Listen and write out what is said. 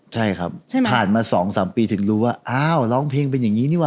ใช่ครับใช่ไหมผ่านมาสองสามปีถึงรู้ว่าอ้าวร้องเพลงเป็นอย่างงี้นี่หวะ